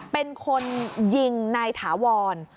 เป็นคนยิงนายถาวร